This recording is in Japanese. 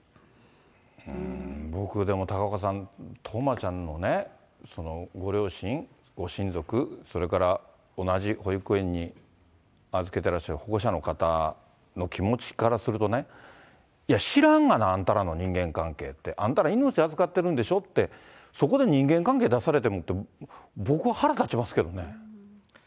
僕、でも、高岡さん、冬生ちゃんのね、ご両親、ご親族、それから同じ保育園に預けてらっしゃる保護者の方の気持ちからするとね、いや、知らんがな、あんたらの人間関係って、あんたら命預かってるんでしょって、そこで人間関係出されてもって、僕は腹立ちますけどね。